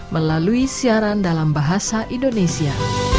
melalui siaran dalam bahasa indonesia